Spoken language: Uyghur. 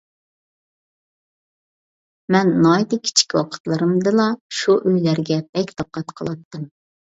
مەن ناھايىتى كىچىك ۋاقىتلىرىمدىلا، شۇ ئۆيلەرگە بەك دىققەت قىلاتتىم.